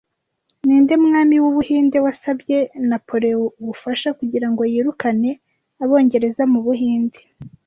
Ninde mwami wu Buhinde wasabye Napoleon ubufasha kugirango yirukane abongereza mubuhinde